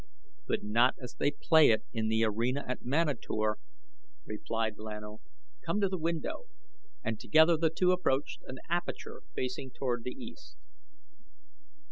"But not as they play it in the arena at Manator," replied Lan O. "Come to the window," and together the two approached an aperture facing toward the east.